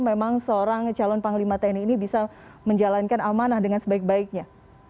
memang seorang calon panglima tni ini bisa menjalankan amanah dengan sebaik baiknya